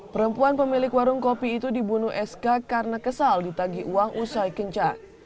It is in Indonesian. perempuan pemilik warung kopi itu dibunuh sk karena kesal ditagi uang usai kencang